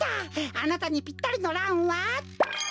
あなたにぴったりのランは。